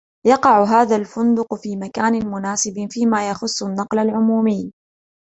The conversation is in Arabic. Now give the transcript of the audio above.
يقع هذا الفندق في مكان مناسب فيما يخص النقل العمومي.